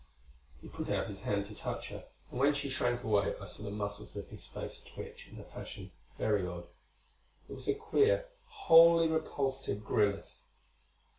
He put out his hand to touch her, and when she shrank away I saw the muscles of his face twitch in a fashion very odd. It was a queer, wholly repulsive grimace.